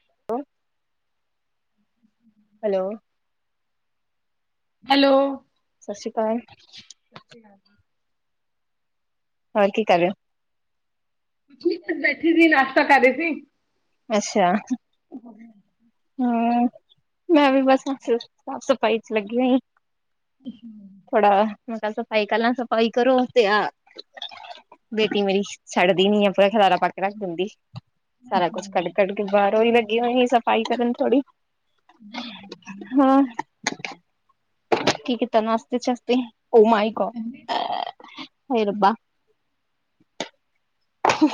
[unintelligible] Hello hello ਸਤਿ ਸ੍ਰੀ ਅਕਾਲ ਕੁਛ ਹੋਰ ਕੀ ਕਰ ਰਹੇ ਹੋ ਕੁਛ ਨ ਬੈਠੇ ਸੀ ਨਾਸ਼ਤਾ ਕਰ ਰੇ ਸੀ ਅੱਛਾ [inaudible] ਹਮ ਮੈਂ ਵੀ ਬਸ ਸਾਫ਼ ਸਫ਼ਾਈ ਚ ਲੱਗੀ ਹੋਈ ਆ [inaudible] ਪਹਿਲਾ ਸਫਾਈ ਕ ਲ ਸਫਾਈ ਕਰੋ ਤੇ ਆ ਬੇਟੀ ਮੇਰੀ ਛੱਡਦੀ ਨੀ ਆ ਪੂਰਾ ਖਦਾਰਾ ਪੱਕ ਕੇ ਰੱਖ ਦਿੰਦੀ ਸਾਰਾ ਕੁਛ ਕੱਢ ਕੱਢ ਕੇ ਬਾਹਰੋਂ ਹੀ ਲੱਗੀ ਹੋਣੀ ਸਫ਼ਾਈ ਕਰਨ ਥੋੜ੍ਹੀ [inaudible] ਕੀ ਕੀਤਾ ਨਾਸ਼ਤੇ ਚਸਤੇ ਉਹ ਮਾਈ ਗ ਹੇ ਰੱਬਾ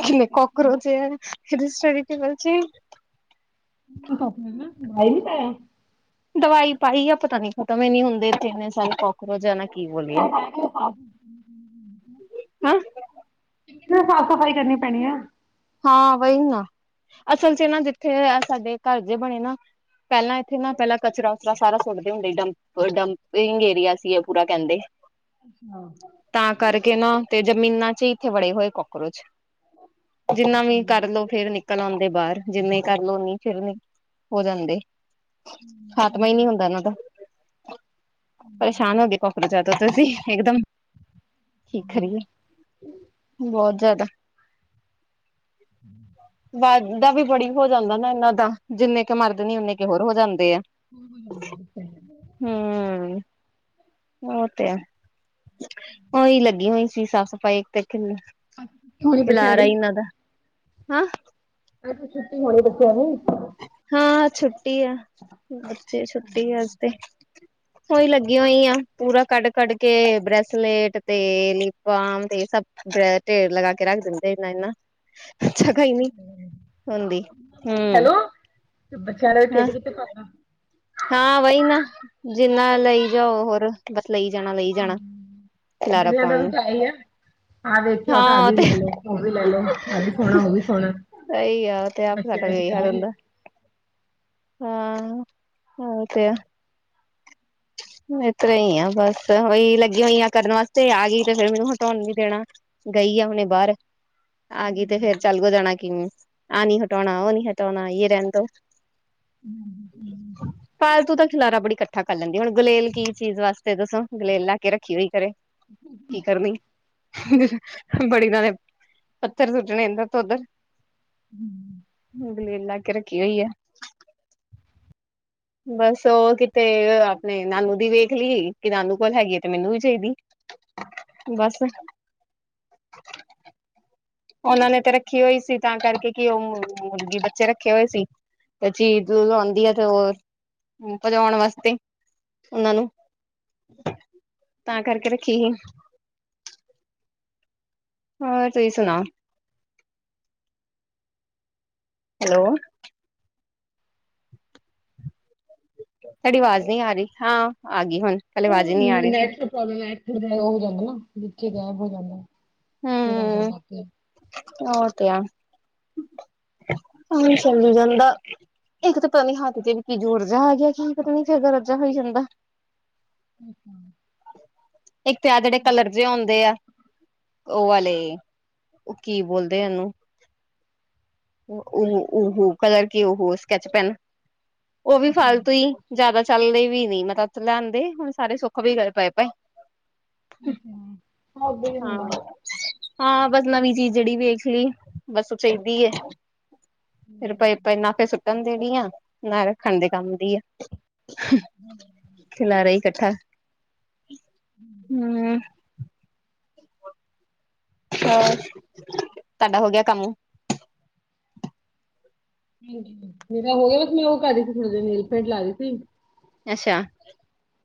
ਕੀ ਕਕਰੋਚ ਹੈ ਮੇਰੇ ਸਟੱਡੀ ਟੇਬਲ ਚ ਦਵਾਈ ਨਿ ਪਾਇਆ ਦਵਾਈ ਪਾਈ ਆ ਪਤਾ ਨੀ ਖਤਮ ਹੀ ਨੀ ਹੁੰਦੇ ਇਥੇਨੇ ਸਾਰੇ ਰੋਜ਼ਾਨਾ ਕੀ ਬੋਲੀਏ ਸਾਫ਼ ਸਫ਼ਾਈ ਕਰਨੀ ਪੈਣੀ ਹੈ ਹਾਂ ਵਹੀ ਨਾ ਅਸਲ ਚ ਨਾ ਜਿੱਥੇ ਸਾਡੇ ਘਰ ਜੇ ਬਣੇ ਨਾ ਪਹਿਲਾਂ ਇੱਥੇ ਨਾ ਪਹਿਲਾਂ ਕਚਰਾਚਰਾ ਸਾਰਾ ਸੁੱਟਦੇ ਹੁੰਦੇ ਡਪ ਡੰਪਿੰਗ ਏਰੀਆ ਸੀ ਪੂਰਾ ਕਹਿੰਦੇ ਤਾਂ ਕਰਕੇ ਨਾ ਤੇ ਜ਼ਮੀਨਾਂ ਚ ਇੱਥੇ ਵੜੇ ਹੋਏ ਕੋਕਰੋਚ ਜਿੰਨਾ ਵੀ ਕਰਲੋ ਫੇਰ ਨਿਕਲ ਆਂਦੇ ਬਾਰ ਜਿੰਵੇਂ ਕਰ ਲੋ ਉੱਨੀ ਫੇਰ ਨੀ ਹੋ ਜਾਂਦੇ। ਖਾਤਮਾ ਹੀ ਨਹੀਂ ਹੁੰਦਾ ਇਹਨਾਂ ਦਾ। ਪਰੇਸ਼ਾਨ ਹੋ ਗਏ ਕੋਕਰੋਚਾ ਤੋਂ ਤੁਸੀਂ ਇਕਦਮ। ਠੀਕਰੀ ਏ, ਬੋਤ ਜਾਦਾ ਹਮ ਵਦਾ ਵੀ ਬੜੀ ਹੋ ਜਾਂਦਾ ਨਾ ਇਹਨਾਂ ਦਾ, ਜਿੰਨੇ ਕਿ ਮਰਦੇ ਨ ਉਓਨੇ ਕੁ ਹੋਰ ਹੋ ਜਾਂਦਾ [unintelligible] ਓ ਤੇ ਐ। ਉਹੀ ਲੱਗੀ ਹੋਈ ਸੀ ਸਾਫ਼ ਸਫ਼ਾਈ, ਇੱਕ ਤੇ ਹੋਣੀ ਬੱਚਿਆਂ ਖਿਲਾਰਾ ਦੀ ਹੀ ਇਹਨਾਂ ਦਾ। ਹਾ ਅਜ ਤੇ ਛੁੱਟੀ ਹੋਣੀ ਬੱਚਿਆਂ ਨੂੰ। ਹਾਂ ਛੁੱਟੀ ਆ। ਹੋਹੀ ਲੱਗੀ ਹੋਈ ਆ ਪੂਰਾ ਕੱਢ ਕੱਢ ਕੇ ਬ੍ਰੈਸਲੇਟ ਤੇ, ਲਿਪ ਬਾਮ ਤੇ ਢੇਰ ਲਗਾ ਕੇ ਰੱਖ ਦਿੰਦੇ ਇੰਨਾ ਇੰਨਾ। ਜਗਹਾ ਨੀ ਹੁੰਦੀ, ਹੁ। ਹੈਲੋ ਤੇ ਬੱਚਿਆਂ ਨੇ ਖੇਡ ਕਿੱਥੇ ਕਰਨਾ। ਹਾਂ, ਵਹੀ ਨਾ, ਜਿੰਨਾ ਲਈ ਜਾਓ ਹੋਰ ਬ ਲਈ ਜਾਣਾ ਲਈ ਜਾਣਾ। ਖਿਲਾਰਾ ਬੜੀਆ ਪਾਉਣ ਦਾ ਵੀ ਨੂੰ ਤਾਂ ਹੀ ਆ ਆਹ ਵੇਖਿਓ ਤੇ ਆ ਹਾਂ ਉਹ ਵੀ ਲੈ ਲੋ ਉਹ ਵੀ ਲੈ ਲੋ ਆ ਵੀ ਸੋਣਾ ਉਹ ਵੀ ਸੋਣਾ। ਸਹੀ ਆ ਤੇ ਆਪ ਸਾਡਾ ਵੀ ਇਹੀ ਹਾਲ ਹੁੰਦਾ। ਹਾਂ, ਓ ਤੇ ਐ। ਇਸ ਤਰਾ ਹੀ ਆ ਬਸ ਉਹੀ ਲੱਗੀਆਂ ਹੋਈਆਂ ਕਰਨ ਵਾਸਤੇ ਆ ਗਈ ਤੇ ਫੇਰ ਮੈਨੂੰ ਹਟਾਉਣ ਵੀ ਦੇਣਾ ਗਈ ਗਈ ਆ ਹੁਣੇ ਬਾਰ। ਆ ਗਈ ਤੇ ਫੇਰ ਚੱਲ ਗ ਜਾਣਾ ਕਿਵੇਂ, ਆਹ ਨੀ ਹਟਾਉਣਾ ਉਹ ਨੀ ਹਟਾਉਣਾ ਯੇ ਰਹਿਣ ਦੋ। ਫਾਲਤੂ ਦਾ ਖਿਲਾਰਾ ਬੜੀ ਇਕੱਠਾ ਕਰ ਲੈਂਦੀ ਹੁਣ ਗੁਲੇਲ ਕੀ ਚੀਜ਼ ਵਾਸਤੇ ਤੇ ਦੱਸੋ ਗੁਲੇਲ ਲਾ ਕੇ ਰੱਖੀ ਹੋਈ ਕਰੇ, ਕੀ ਕਰਨੀ ਬੜੀ ਦੇ ਪੱਥਰ ਸੁੱਟਣੇ ਇਦਰ ਤੋਂ ਉੱਧਰ। ਹੁ। ਗੁਲੇਲ ਲੈ ਕੇ ਰੱਖੀ ਹੋਈ ਐ, ਬਸ ਉਹ ਕਿਤੇ ਆਪਣੇ ਨਾਨੂ ਦੀ ਵੇਖ ਲੀ ਕਿ ਨਾਨੂ ਕੋਲ ਹੈਗੀ ਐ ਤੇ ਮੈਨੂੰ ਵੀ ਚਾਹੀਦੀ। ਬਸ ਉਹਨਾਂ ਨੇ ਤੇ ਰੱਖੀ ਹੋਈ ਸੀ ਤਾਂ ਕਰਕੇ ਕਿ ਉਹ ਮੁੁਰਗੀ ਬੱਚੇ ਰੱਖੇ ਹੋਏ ਸੀ ਤੇ ਚੀਦ ਲਾਉਂਦੀ ਆ ਤੇ ਹੋਰ ਪਜਾਉਣ ਵਾਸਤੇ ਉਹਨਾਂ ਨੂੰ ਤਾਂ ਕਰਕੇ ਰੱਖੀ ਏ। ਹੋਰ ਤੁਸੀਂ ਸੁਣਾਓ? ਹੈਲੋ। ਤੁਹਾਡੀ ਆਵਾਜ਼ ਨਹੀਂ ਆ ਰਹੀ, ਹਾਂ ਆ ਗਈ ਹੁਣ ਪਹਿਲੇ ਆਵਾਜ਼ ਹੀ ਨਹੀਂ ਆ ਰਹੀ ਸੀ। ਫੇਰ ਹੋ ਜਾਂਦਾ ਨਾ ਵਿਚੇ ਗਾਇਬ ਹੋ ਜਾਂਦਾ। ਫੇਰ ਆ ਹਮ ਜਾਣਾ। ਉਹ ਤੇ ਆ ਹ ਚੱਲੀ ਜਾਂਦਾ। ਇੱਕ ਤਾਂ ਪਤਾ ਨੀ ਹੱਥ ਚ ਵੀ ਕੀ ਜੋਰ ਜਿਆ ਆ ਗਿਆ ਕੀ ਪਤਾ ਨੀ ਫਿਰਦਾ ਰਜਾ ਹੋਈ ਜਾਂਦਾ ਇੱਕ ਤੇ ਆਂ ਜਿਹੜੇ ਕਲਰ ਜਿਹੇ ਆਉਂਦੇ ਐ। ਉਹ ਵਾਲੇ, ਉਹ ਕੀ ਬੋਲਦੇ ਉਹਨੂੰ ਉਹ ਉਹੋ ਉਹੋ ਕਲਰ ਕੀ ਉਹੋ ਸਕੈਚ ਪੈਨ ਉਹ ਵੀ ਅੱਛਾ ਫਾਲਤੂ ਹੀ ਜ਼ਿਆਦਾ ਚੱਲਦੇ ਵੀ ਨੀ ਮੈ ਤਾਂ ਚਲਾਆਂਦੇ ਹੁਣ ਸਾਰੇ ਸੁੱਖ ਵੀ ਗਏ ਪਏ ਪਏ ਅੱਛਾ, ਓਦਾਂ ਹੀ ਹਾਂ ਹੁੰਦਾ। ਹਾਂ, ਬਸ ਨਵੀਂ ਚੀਜ਼ ਜਿਹੜੀ ਵੇਖ ਲਈ, ਬੱਸ ਉਹ ਚਾਹੀਦੀ ਐ। ਫੇਰ ਪਏ ਪਏ ਨਾ ਤੇ ਸੁੱਟਣ ਦੇਣੀ ਆ ਨਾ ਰੱਖਣ ਦੇ ਕੰਮ ਦੀ ਆ। ਖਿਲਾਰਾ ਹੀ ਇਕੱਠਾ ਹੂੰ ਹੂੰ। ਹੋਰ, ਤੁਹਾਡਾ ਹੋ ਗਿਆ ਕੰਮ। ਹੂੰ। ਮੇਰਾ ਹੋ ਗਿਆ, ਬਸ ਮੈਂ ਉਹ ਕਰ ਰਹੀ ਸੀ। ਥੋੜੇ ਜਾ ਨੇਲ ਪੈਂਟ ਲਾ ਰਹੀ ਸੀ। ਅੱਛਾ।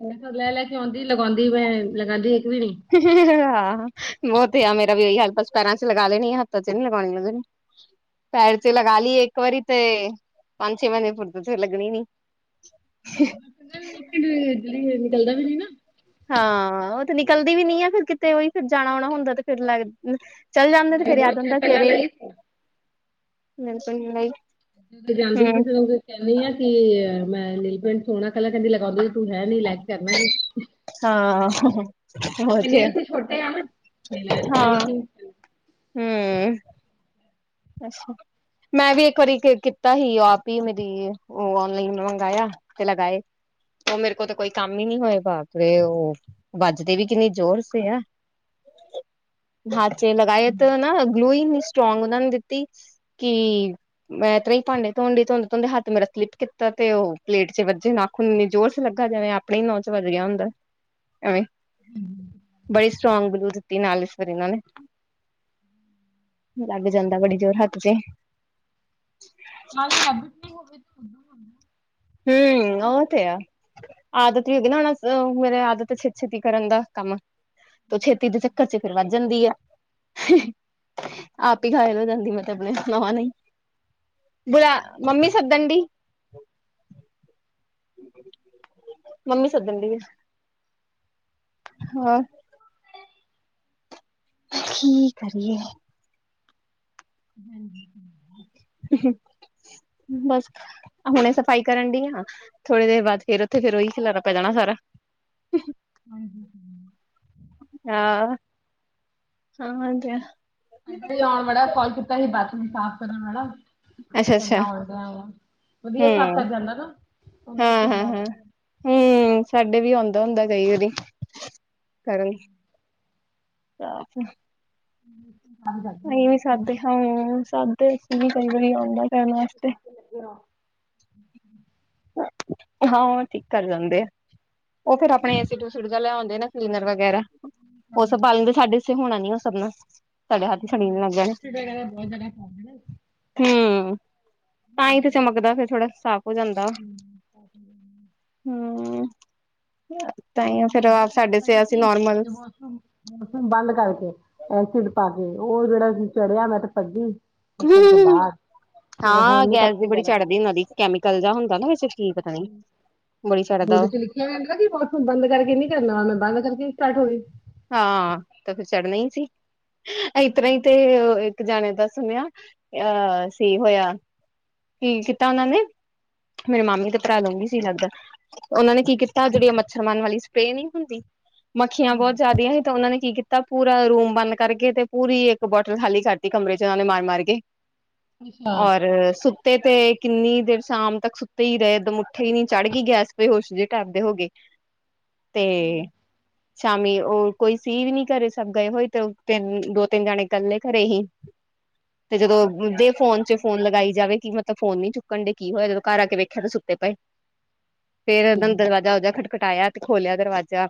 ਬਸ ਲੈ- ਲੈ ਕੇ ਆਉਂਦੀ ਲਗਾਉਂਦੀ ਮੈਂ। ਲਗਾਉਂਦੀ ਇੱਕ ਵੀ ਨਹੀਂ ਹਾਂ- ਓ ਤੇ ਆ, ਮੇਰਾ ਵੀ ਓਹੀ ਹਾਲ। ਪੈਂਰਾਂ ਚ ਲਗਾ ਲੇਣੀ, ਹੱਥਾਂ ਚ ਨਹੀਂ ਲੱਗਣੀ। [inaudible] ਪੈਰ ਚ ਲਗਾ ਲੀ, ਇੱਕ ਵਾਰੀ ਤੇ, ਪੰਜ ਛੇ ਮਹੀਨੇ ਲੱਗਣੀ ਨਹੀਂ। [inaudible] ਹਾਂ। ਉਹ ਤੇ ਨਿਕਲਦੀ ਵੀ ਨਹੀਂ ਹੈ। ਫਿਰ ਕਿਤੇ, ਉਹੀ ਫਿਰ ਜਾਣਾ-ਆਉਣਾ ਹੁੰਦਾ। ਤੇ ਫੇਰ ਲੱਗ? ਚੱਲ ਜਾਂਦੇ। ਤੇ ਮੈਂ ਫੇਰ ਏ ਆ ਬਹੁਤ ਚਿਰ ਜਾਂਦਾ- ਪਹਿਲਾਂ ਅਰੇ, ਲਾਈ ਸੀ ਮਿਲਦੇ ਹੀ ਨਹੀਂ। ਜਾਂਦੇ, ਕਿਸੇ ਨੂੰ ਕਹਿੰਦੀ ਆ। ਕਿ ਮੈ ਨੇਲ- ਪੇਂਟ ਸੋਹਣਾਂ ਕਲਰ ਲਗੳਂਂਦੀ। ਤੂੰ ਹੈ ਨੀ, ਲੈ ਕੇ ਕਰਨਾ ਕੀ। ਹਾਂ ਉਹ ਮੇਰੇ ਤੇ ਹੈ ਨੇਲਸ ਹੀ ਛੋਟੇ ਹੈ ਨਾ। ਮਿਲਾ ਤੇ ਆਈ ਹਾਂ ਸੀ। ਹੂੰ। ਅੱਛਾ। ਮੈਂ ਵੀ ਇੱਕ ਵਾਰੀ ਕੀ ਕੀਤਾ ਸੀ। ਆਪ ਹੀ ਮੇਰੀ, ਉਹ ਔਨਲਾਈਨ ਮੰਗਇਆ ਤੇ ਲਗਾਏ। ਉਹ, ਮੇਰੇ ਕੋਲ ਤਾਂ ਕੋਈ ਕੰਮ ਹੀ ਨਹੀਂ ਹੋਏਗਾ। ਤੇ ਓ ਵੱਜਦੇ ਵੀ ਕਿੰਨੀ ਜ਼ੋਰ ਸੇ ਐ। ਬਾਚੋਂ ਏ ਲਗਾਏ ਤੇ ਨਾ ਗਲੂ ਹੀ ਨੀ ਸਟਰੋਂਗ ਉਹਨਾਂ ਨੇ ਦਿੱ [unintelligible] ਕਿ ਮੈਂ ਭਾਂਡੇ ਧੋਣ ਡੀ, ਧੋਂਦੇ-ਧੋਂਦੇ ਹੱਥ ਮੇਰਾ ਸਲਿੱਪ ਕੀਤਾ। ਤੇ ਉਹ ਪਲੇਟ! ਵੱਜੇ। ਨਾਖੂਨ ਇੰਨੀ ਜ਼ੋਰ ਚ ਲੱਗਾ, ਜੇਂਵੇ ਆਪਣੇ ਹੀ ਨੋ ਚ ਵਜ ਗਿਆ ਹੁੰਦਾ। ਐਵੇਂ। ਬੜੀ ਸਟਰੋਂਗ ਗਲੂ ਦਿੱਤੀ, ਨਾਲ ਇਸ ਵਾਰੀ ਇਹਨਾਂ ਨੇ ਲੱਗ ਜਾਂਦਾ ਬੜੀ। [unintelligible] ਹਤ ਤੇੇ ਨਾਲੇ ਹੈਬਿਟ ਨਹੀਂ ਹੋਵੇਗੀ। ਹੂੰ। ੳ ਤਾਂ ਹੈ। ਆਦਤ ਨਹੀਂ ਹੈਗੀ, ਨਾ ਮੇਰੇ ਆਦਤ ਛੇਤੀ-ਛੇਤੀ ਕਰਨ ਦਾ ਕੰਮ। ਤੇ ਛੇਤੀ ਦੇ ਚੱਕਰ ਚ, ਫਿਰ ਵੱਧ ਜਾਂਦੀ ਆ। [unintelligible] ਬੁਲਾ-ਮੰਮੀ ਸੱਦਣ ਦੀ। ਮੰਮੀ ਸੱਦਣ ਡਈ। ਹਾਂ। ਕੀ ਕਰੀਏ? ਹੂੰ। [inaudible] ਬਸ, ਹੁਣੇ ਸਫ਼ਾਈ ਕਰਨ ਡੀ ਆ। ਥੋੜੀ ਦੇਰ ਬਾਅਦ, ਫਿਰ ਉੱਥੇ ਫਿਰ ਉਹੀ, ਖਿਲਾਰਾ ਪੈ ਜਾਣਾ ਸਾਰਾ। [inaudible] ਹਾਂਜੀ। ਹਾਂ ਹਾਂ [unintelligible] [unintelligible] ਕਾੱਲ ਕੀਤਾ ਸੀ। ਬਾਥਰੂਮ ਸਾਫ਼ ਕਰਨ ਵਾਲਾ। ਅੱਛਾ ਅੱਛਾ [unintelligible] ਉਹ, ਹਮ ਮੈਂ ਹਾਂ ਖੁਦ ਹਾਂ ਲਾ ਲੈਨੀ। ਪ ਹੁੰਦਾ ਕਈ ਵਾਰੀ ਕਰਨ [unintelligible] [unintelligible] ਅਸੀਂ ਵੀ ਕਰਦੇ ਸਦੇ ਹਾਂ ਹ ਸਦੇ ਵੀ ਕਈ ਵਾਰੀ ਆਉਂਦਾ [unintelligible] [unintelligible] ਹਾਂ, ਓ ਠੀਕ ਕਰ ਜਾਂਦੇ ਐ। ਉਹ ਫਿਰ ਆਪਣੇ ਏਸਿਡ- ਉਸਿਡ, ਜਿਹਾ ਲਿਆਉਂਦੇ ਨੇ ਕਲੀਨਰ ਵਗੈਰਾ। ਉਹ ਕੰਮ ਸਭ ਲੱਗੇ ਬਾਲਣ ਦੇ ਸਾਡੇ ਇਥੇ ਹੋਣਾ ਨੀ ਉਹ ਸਭ ਨਾਲ [unintelligible] ਸੜੀਨ ਲੱਗ ਜਾਣੇ ਏਸਿਡ ਵਗੈਰਾ ਬਹੁਤ ਜਿਆਦਾ ਸਾਫ [unintelligible] ਹਮ ਤਾਂ ਹੀ- ਤੇ ਚਮਕਦਾ ਫਿਰ, ਥੋੜਾ ਸਾਫ਼ ਹੋ ਜਾਂਦਾ। ਹਮ ਸਾਫ਼ ਸਾਡੇ ਕਰ ਰਹੀ ਸੇ ਅਸੀਂ ਸੀ, ਨੋਰਮਲ ਤੇ ਵਾਸ਼ ਰੂਮ ਬੰਦ ਕਰਕੇ ਐਸਿਡ ਪਾ ਕੇ ਤੇ ਉਹ ਜਿਹੜਾ ਜੀ ਚੜਿਆ ਮੈਂ ਤੇ ਭਜੀ ਹੰਹੰਹੰ ਹੁਣ ਹਾਂ ਨਹੀਂ ਗੈਸ ਕਰਨਾ ਦੀ ਬੜੀ ਦੁਬਾਰਾ ਚੜ੍ਹਦੀ ਉਹਨਾਂ ਦੀ, ਕੈਮੀਕਲ ਜਿਹਾ ਹੁੰਦਾ ਨਾ ਵਿੱਚ ਕੀ ਪਤਾ ਨੀ ਬੜੀ ਚੜ੍ਹਦਾ ਉਹਦੇ ਉਹ ਚ ਲਿਖਿਆ ਜਾਂਦਾ ਕਿ ਬਾਥਰੂਮ ਬੰਦ ਕਰਕੇ ਨੀ ਕਰਨਾ ਉਨੇ ਬੰਦ ਕਰਕੇ ਸਟਾਰਟ ਹੋ ਗਈ ਹਾਂ ਤੇ ਫਿਰ ਚੜ੍ਹਨਾ ਈ ਸੀ ਏਸ ਤਰ੍ਹਾਂ ਈ ਤੇ ਇੱਕ ਜਾਣੇ ਦਾ ਸੁਣਿਆ, ਅਹ ਸੀ ਹੋਇਆ ਕੀ ਕੀਤਾ ਉਹਨਾਂ ਨੇ? ਮੇਰੇ ਮਾਮੀ ਤੇ ਭਰਾ ਲੂੰਘੀ ਸੀ ਲੱਗਦੇ, ਉਹਨਾਂ ਨੇ ਕੀ ਕੀਤਾ ਜਿਹੜੀ ਆ ਮੱਛਰਮਾਨ ਵਾਲੀ ਸਪਰੇਅ ਨੀ ਹੁੰਦੀ ਮੱਖੀਆਂ ਬਹੁਤ ਜ਼ਿਆਦੀਆਂ, ਤੇ ਉਹਨਾਂ ਨੇ ਕੀ ਕੀਤਾ ਪੂਰਾ ਰੂਮ ਬੰਦ ਕਰਕੇ ਤੇ ਪੂਰੀ ਇੱਕ ਬੋਟਲ ਖਾਲੀ ਕਰਤੀ ਕਮਰੇ ਚ ਉਹਨਾਂ ਨੇ ਮਾਰ ਮਾਰ ਕੇ, ਅੱਛਾ ਔਰ, ਸੁਤ ਤੇ ਕਿੰਨੀ ਦੇਰ ਸ਼ਾਮ ਤੱਕ ਸੁੱਤੇ ਈ ਰਹੇ ਇਕ ਦਮ ਉਠੇ ਹੀ ਨੀ, ਚੜ੍ਹ ਗਈ ਗੈਸ ਬੇਹਸ਼ ਜਿਹੇ ਟਾਈਪ ਦੇ ਹੋ ਗੇ ਤੇ, ਸ਼ਾਮੀ ਉਹ ਕੋਈ ਸੀ ਵੀ ਨੀ ਘਰੇ, ਸਭ ਗਏ ਹੋਏ ਤੇ ੳਤੇ ਦੋ ਤਿੰਨ ਜਾਣੇ ਕੱਲੇ ਘੜੈ ਸੀ ਤੇ ਜਦੋਂ, ਦੇ ਫੋਨ ਚ ਫੋਨ ਲਗਾਈ ਜਾਵੇ ਕੀ ਮਤਲਬ ਫੋਨ ਨੀ ਚੁੱਕਣ ਡੇ, ਕੀ ਹੋਇਆ ਜਦੋਂ ਘਰ ਆ ਕੇ ਵੇਖਿਆ ਤਾਂ ਸੁੱਤੇ ਪਏ ਫੇਰ ਏਦਨ ਦਰਵਾਜਾ ਉਹਜਾ ਖਟਖਟਾਇਆ ਤੇ ਖੋਲਿਆ ਦਰਵਾਜ਼ਾ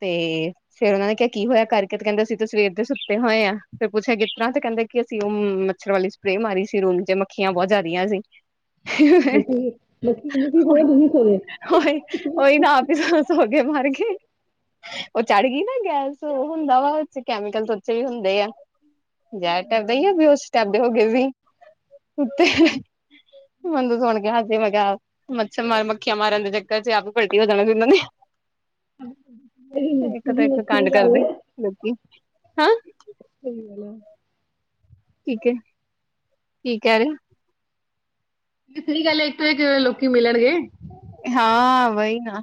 ਤੇ, ਫੇਰ ਉਹਨਾਂ ਨੇ ਕਿਹਾ ਕੀ ਹੋਇਆ ਕਰਕੇ, ਤੇ ਕਹਿੰਦੇ ਅਸੀਂ ਤੇ ਸਵੇਰ ਦੇ ਸੁੱਤੇ ਹੋਏ ਆ ਫੇਰ ਪੁੱਛਿਆ ਕਿਸ ਤਰ੍ਹਾਂ, ਤੇ ਕਹਿੰਦੇ ਕਿ ਅਸੀਂ ਉਹ ਮੱਛਰ ਵਾਲੀ ਸਪਰੇਅ ਮਾਰੀ ਸੀ ਰੂਮ ਚ ਮੱਖੀਆਂ ਬਹੁਤ ਜ਼ਿਆਦੀਆਂ ਸੀ ਬਸੀ ਓਈ ੳਈ ਨਾ ਆਪ ਹੀ ਸੋ ਸੋ ਕੇ ਮਰ ਗੀ ਉਹ ਚੜ੍ਹ ਗੀ ਨਾ ਗੈਸ ਉਹ ਹੁੰਦਾ ਵਾ ਉੇਸ ਚ ਕੈਮੀਕਲ ਉੱਚੇ ਵੀ ਹੁੰਦੇ ਐ ਮਜਾ਼ਕ ਕਰਦੇ ਹੀ ੳ ਵੀ ਉਸ [unintelligible] ਦੇ ਹੋ ਗਏ ਵੀ ਮੇਨੂ ਸੁਣ ਕੇ ਹਾਸ ਤੇ ਮੈਂ ਕਿਹਾ, ਮੱਛਰ ਮਾਰਨ ਮੱਖੀਆਂ ਮਾਰਨ ਦੇ ਚੱਕਰ ਚ ਆਪ ਹੀ ਪਲਟੀ ਹੋ ਜਾਣਾ ਸੀ ਉਨਾਂ ਨੇ ਲੇਕਿਨ ਇੱਕ ਤੋ ਲੇਕਿਨ ਇੱਕ ਵੱਖਰੀ ਕਾੰਡ ਗੱਲ ਕਰਦੇ, ਏ ਲੋਕੀ ਹਾਂ ਸਹੀ ਗੱਲ ਏ ਠੀਕ ਹੈ, ਕੀ ਕਹਿ ਰਹੇ ਸਹੀ ਗੱਲ ਹੈ, ਇੱਕ ਤੋਂ ਇਕ ਲੋਕੀ ਕਿਵੇ ਮਿਲਣਗੇ ਹਾਂ ਵਹੀ ਨਾ